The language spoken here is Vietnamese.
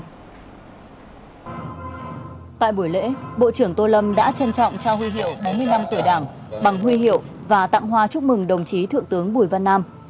tại buổi lễ bộ trưởng tô lâm đã trân trọng trao huy hiệu bốn mươi năm tuổi đảng bằng huy hiệu và tặng hoa chúc mừng đồng chí thượng tướng bùi văn nam